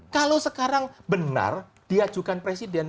kalau sekarang benar diajukan presiden